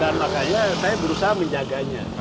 dan makanya saya berusaha menjaganya